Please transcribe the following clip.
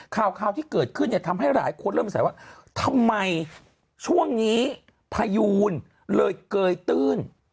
ข่าวที่เกิดขึ้นเนี่ยทำให้หลายคนเริ่มสงสัยว่าทำไมช่วงนี้พายูนเลยเกยตื้น